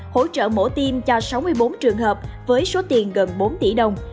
hỗ trợ mổ tiêm cho sáu mươi bốn trường hợp với số tiền gần bốn tỷ đồng